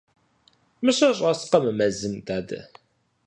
Мыщэ щӀэскъэ мы мэзым, дадэ?